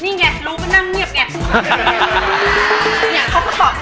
นี่ไงลงมานั่งเหมียบไง